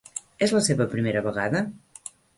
És la seva primera vegada?